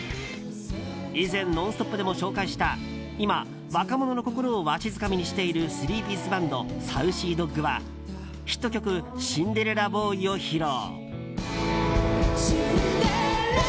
以前「ノンストップ！」でも紹介した今、若者の心をわしづかみにしている３ピースバンドＳａｕｃｙＤｏｇはヒット曲「シンデレラボーイ」を披露。